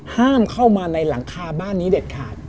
เข้ามาในหลังคาบ้านนี้เด็ดขาด